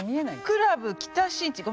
クラブ北新地。